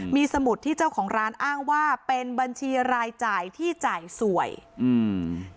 มีสมุดที่เจ้าของร้านอ้างว่าเป็นบัญชีรายจ่ายที่จ่ายสวยอืม